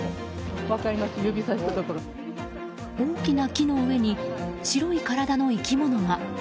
大きな木の上に白い体の生き物が。